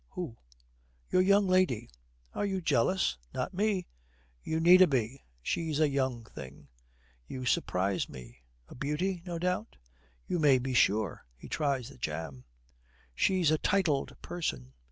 'Who?' 'Your young lady.' 'Are you jealyous?' 'Not me.' 'You needna be. She's a young thing.' 'You surprises me. A beauty, no doubt?' 'You may be sure.' He tries the jam. 'She's a titled person.